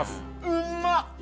うんまっ！